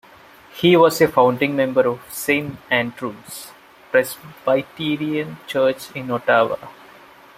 He was a founding member of Saint Andrew's Presbyterian Church in Ottawa.